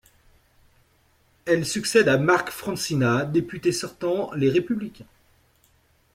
Elle succède à Marc Francina, député sortant Les Républicains.